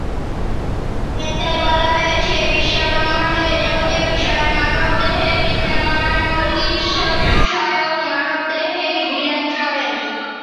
এতে বলা হয়েছে: বিশ্বব্রহ্মান্ডের যাবতীয় বিষয় মানবদেহে বিদ্যমান; এমনকি, ঈশ্বর স্বয়ং মানবদেহেই বিরাজ করেন।